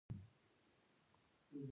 پړانګ سته؟